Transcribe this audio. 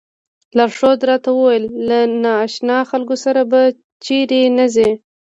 لارښود راته وویل له نا اشنا خلکو سره به چېرته نه ځئ.